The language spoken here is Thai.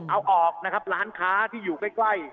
เอาออกและร้านค้าที่อยู่ใกล้